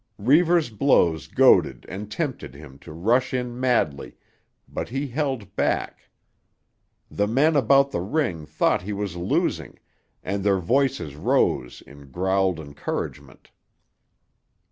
Reivers' blows goaded and tempted him to rush in madly, but he held back. The men about the ring thought he was losing, and their voices rose in growled encouragement.